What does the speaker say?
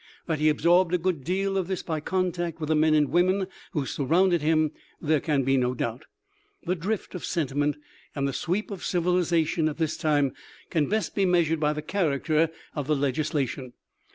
That he absorbed a good deal of this by contact with the men and women who sur rounded him there can be no doubt. The " drift of sentiment and the sweep of civilization" at this time can best be measured by the character of the legislation.